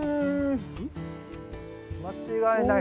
間違いない！